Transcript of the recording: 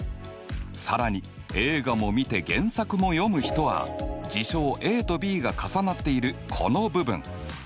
更に映画もみて原作も読む人は事象ＡとＢが重なっているこの部分。